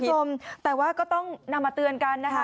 คุณผู้ชมแต่ว่าก็ต้องนำมาเตือนกันนะคะ